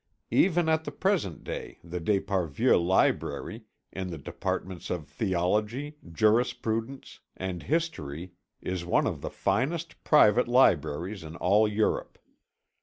Even at the present day the d'Esparvieu library, in the departments of theology, jurisprudence, and history is one of the finest private libraries in all Europe.